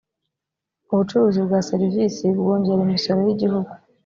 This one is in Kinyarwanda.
ubucuruzi bwa serivisi bwongera imisoro y’igihugu.